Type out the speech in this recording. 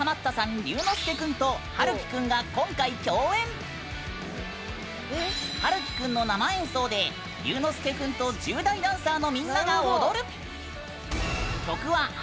りゅうのすけ君とはるき君が今回、共演！はるき君の生演奏でりゅうのすけ君と１０代ダンサーのみんなが踊る！